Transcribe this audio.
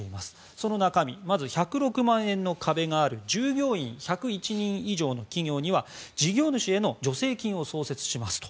その中身まず１０６万円の壁がある従業員１０１人以上の企業には事業主への助成金を創設しますと。